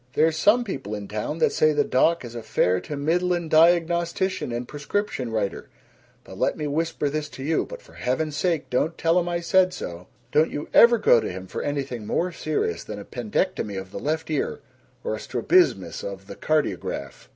"There's some people in town that say the doc is a fair to middlin' diagnostician and prescription writer, but let me whisper this to you but for heaven's sake don't tell him I said so don't you ever go to him for anything more serious than a pendectomy of the left ear or a strabismus of the cardiograph."